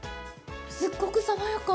すっごく爽やか！